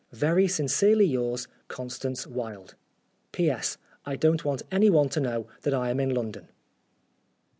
Very sincerely yours, "CONSTANCE WILDE." " I don't want anyone to know that I am in London."